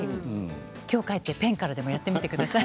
今日、帰ってペンからでもやってみてください。